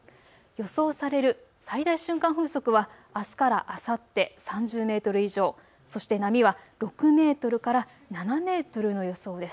予想される最大瞬間風速はあすからあさって３０メートル以上、そして波は６メートルから７メートルの予想です。